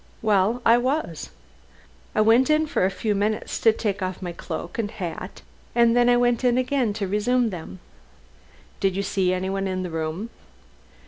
Well, I was. I went in for a few minutes to take off my cloak and hat, and then I went in again to resume them." "Did you see anyone in the room?"